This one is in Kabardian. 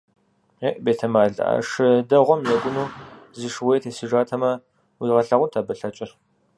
ЕӀ, бетэмал, а шы дэгъуэм екӀуну зы шууей тесыжатэмэ, уигъэлъагъунт абы лъэкӀыр!